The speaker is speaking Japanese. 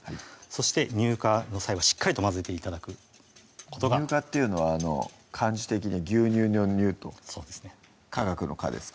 そして乳化の際はしっかりと混ぜて頂くことが乳化っていうのは漢字的に牛乳の乳と化学の化ですか？